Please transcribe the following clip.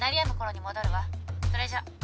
それじゃ。